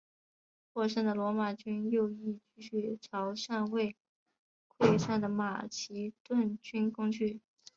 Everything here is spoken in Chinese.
获胜的罗马军右翼继续朝尚未溃散的马其顿军攻去。